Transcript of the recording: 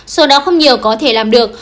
sau đó không nhiều có thể làm được